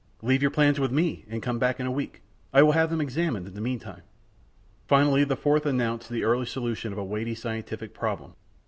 "Leave your plans with me, and come back in a week. I will have them examined in the meantime." Finally, the fourth announced the early solution of a weighty scientific problem.